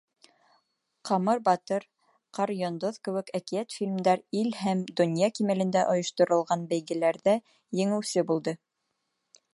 «Ҡамыр батыр», «Ҡарйондоҙ» кеүек әкиәт-фильмдар ил һәм донъя кимәлендә ойошторолған бәйгеләрҙә еңеүсе булды.